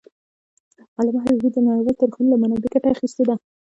علامه حبيبي د نړیوالو تاریخونو له منابعو ګټه اخېستې ده.